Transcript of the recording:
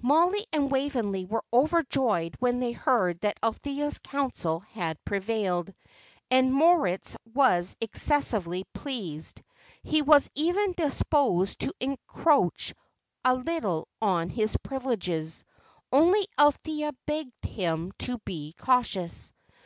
Mollie and Waveney were overjoyed when they heard that Althea's counsel had prevailed, and Moritz was excessively pleased; he was even disposed to encroach a little on his privileges, only Althea begged him to be cautious.